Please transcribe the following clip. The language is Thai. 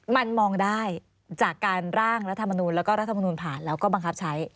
มันมองได้จากการร่างรัฐมนูลแล้วก็รัฐมนูลผ่านแล้วก็บังคับใช้